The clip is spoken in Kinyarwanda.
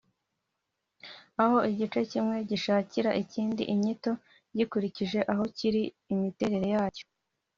aho igice kimwe gishakira ikindi inyito gikurikije aho kiri n’imitere yacyo